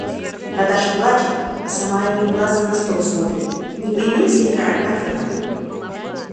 Наташа плачет, а сама одним глазом на стол смотрит, не появилась ли вторая конфета.